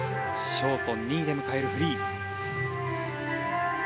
ショート２位で迎えるフリー。